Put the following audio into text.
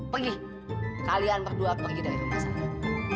pergi kalian berdua pergi dari rumah saya